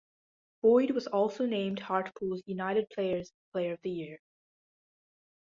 Boyd was also named Hartlepool United's Players' Player of the Year.